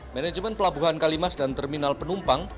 manajemen pelabuhan kalimas dan terminal penumpang